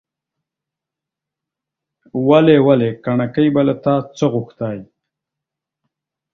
ولي! ولي! کڼکۍ به له تا څه غوښتاى ،